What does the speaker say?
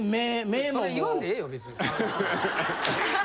それ言わんでええよ別に。